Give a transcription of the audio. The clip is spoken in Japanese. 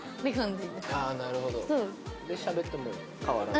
でしゃべっても変わらず？